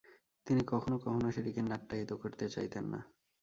তিনি কখনও কখনও সেটিকে নাট্যায়িত করতে চাইতেন না।